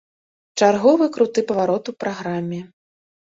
Чарговы круты паварот у праграме.